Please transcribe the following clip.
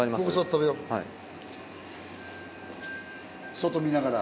外見ながら。